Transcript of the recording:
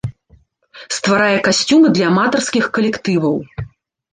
Стварае касцюмы для аматарскіх калектываў.